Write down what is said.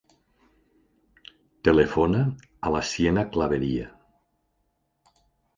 Telefona a la Siena Claveria.